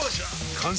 完成！